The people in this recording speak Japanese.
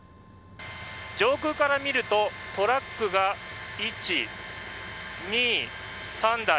上空から見るとトラックが１、２、３台。